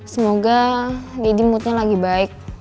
semoga daddy mood nya lagi baik